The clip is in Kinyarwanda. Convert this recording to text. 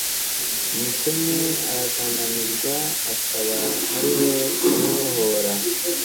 umukene arakandamizwa, akaba ari we wihohora